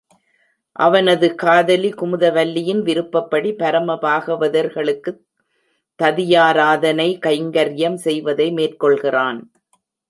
அவனது காதலி குமுதவல்லியின் விருப்பப்படி பரம பாகவதர்களுக்குத் ததியாராதன கைங்கர்யம் செய்வதை மேற்கொள்கிறான்.